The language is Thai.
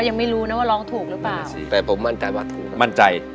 นึกได้